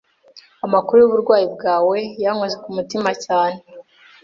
Amakuru yuburwayi bwawe yankoze ku mutima cyane